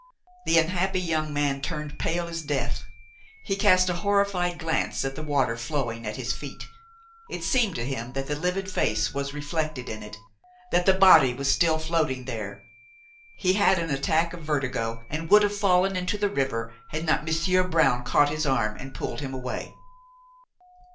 The unhappy young man turned pale as death; he cast a horrified glance at the water flowing at his feet; it seemed to him that the livid face was reflected in it, that the body was still floating there; he had an attack of vertigo and would have fallen into the river had not Monsieur Brown caught his arm and pulled him away.